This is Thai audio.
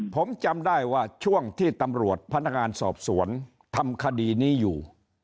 ผมจำได้ว่าช่วงที่ตำรวจพนักงานสอบสวนทำคดีนี้อยู่